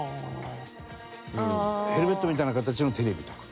ヘルメットみたいな形のテレビとか。